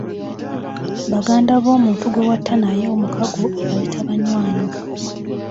Baganda b’omuntu gwe watta naye omukago obayita Banywanyi.